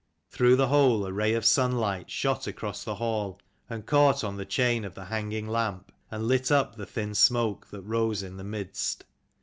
Through the hole a ray of sunlight shot across the hall, and caught on the chain of the hanging lamp, and lit up the thin smoke that rose in the midst.